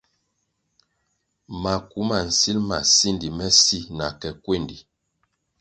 Maku ma nsil ma sindi me si na ke kwendi.